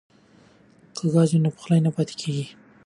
که ګاز وي نو پخلی نه پاتې کیږي.